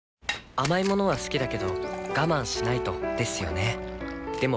甘い物は好きだけど我慢しないとですよね